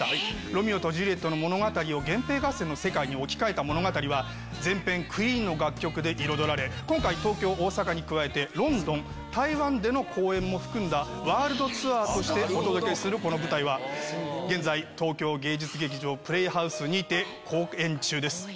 ロミオとジュリエットの物語を源平合戦の世界に置き換えた物語は全編ＱＵＥＥＮの楽曲で彩られ今回東京大阪に加えてロンドン台湾での公演も含んだワールドツアーとしてお届けするこの舞台は現在東京芸術劇場プレイハウスにて公演中です。